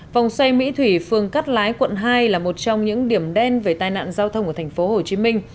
vòng xoay mỹ thủy phường cát lái quận hai là một trong những điểm đen về tai nạn giao thông của tp hcm